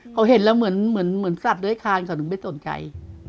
เขาเห็นแล้วเหมือนสัตว์เลื้อยคานเขาถึงไม่สนใจ